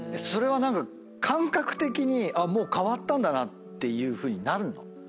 それは何か感覚的に変わったんだなっていうふうになるの？